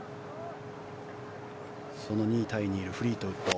その２位タイにいるフリートウッド。